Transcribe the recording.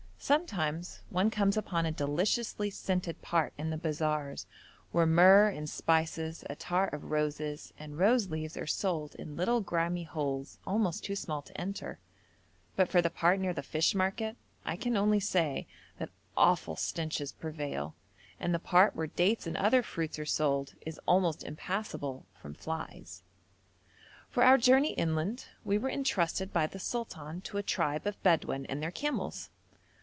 Sometimes one comes upon a deliciously scented part in the bazaars where myrrh and spices, attar of roses, and rose leaves are sold in little grimy holes almost too small to enter; but for the part near the fish market, I can only say that awful stenches prevail, and the part where dates and other fruits are sold is almost impassable from flies. For our journey inland we were entrusted by the sultan to a tribe of Bedouin and their camels.